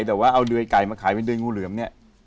แต่ว่าเอาเดือยไก่มาขายเป็นเดยงูเหลือมเนี่ย